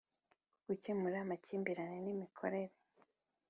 gucyemura amakimbirane n imikorere